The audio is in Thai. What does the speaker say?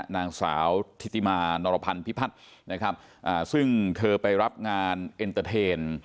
นางสาวทิติมานรพันธ์พิพัฒน์นะครับซึ่งเธอไปรับงานเอ็นเตอร์เทน